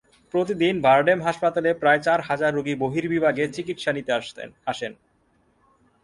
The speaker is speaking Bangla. প্রতিদিন বারডেম হাসপাতালে প্রায় চার হাজার রোগী বহির্বিভাগে চিকিত্সা নিতে আসেন।